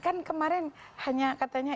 kan kemarin katanya